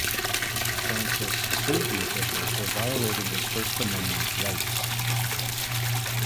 Francis sued the officials for violating his First Amendment rights.